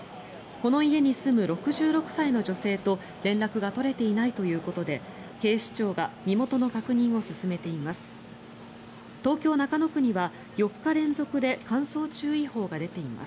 この家に住む６６歳の女性と連絡が取れていないということで警視庁が身元の確認を進めています。